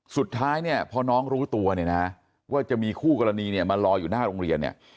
สุดท้ายพอน้องรู้ตัวว่าจะมีคู่กรณีมารออยู่หน้าโรงเรียน